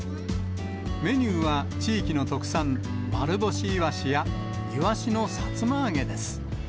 メニューは、地域の特産、丸干しイワシやイワシのさつま揚げです。